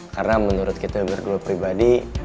karena menurut kita berdua pribadi